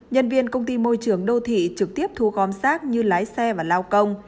nhân viên công ty môi trường đô thị trực tiếp thu gom rác như lái xe và lao công